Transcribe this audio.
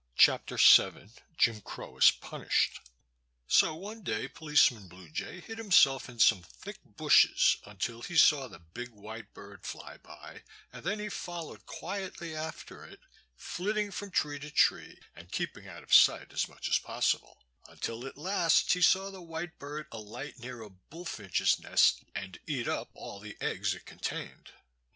Chapter VII Jim Crow is Punished SO one day Policeman Blue Jay hid himself in some thick bushes until he saw the big white bird fly by, and then he followed quietly after it, flitting from tree to tree and keeping out of sight as much as possible, until at last he saw the white bird alight near a bullfinch's nest and eat up all the eggs it contained.